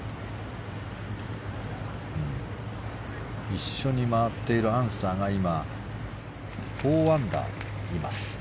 一緒に回っているアンサーが今、４アンダーにいます。